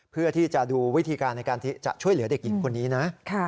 เพื่อที่จะดูวิธีการในการที่จะช่วยเหลือเด็กหญิงคนนี้นะ